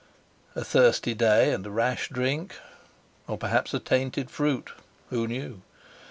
A thirsty day and a rash drink, or perhaps a tainted fruit—who knew?